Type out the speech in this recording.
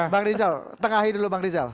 bang rizal tengahi dulu bang rizal